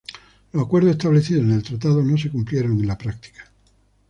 Los acuerdos establecidos en el Tratado no se cumplieron en práctica.